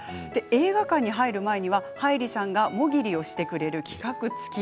映画館に入る前にははいりさんが、もぎりをしてくれる企画付き。